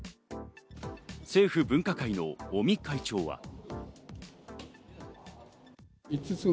政府分科会の尾身会長は。